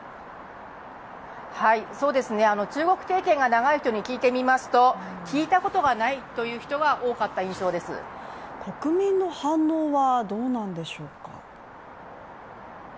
中国経験が長い人に聞いてみますと聞いたことがないという人が多かった印象です国民の反応はどうなんでしょうか？